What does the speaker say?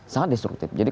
sangat destruktif jadi